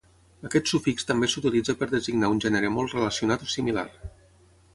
Aquest sufix també s'utilitza per designar un gènere molt relacionat o similar.